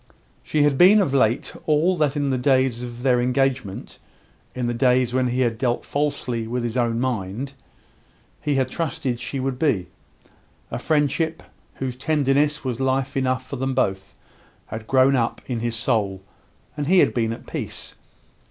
She had been of late all that in the days of their engagement in the days when he had dealt falsely with his own mind he had trusted she would be. A friendship, whose tenderness was life enough for them both, had grown up in his soul, and he had been at peace.